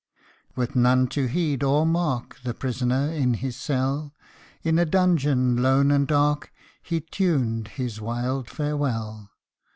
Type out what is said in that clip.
WITH none to heed or mark The prisoner in his cell, In a dungeon, lone and dark, He tuned his wild farewell.